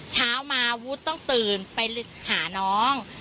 เช้ามาวุฒิต้องตื่นไปหาน้อง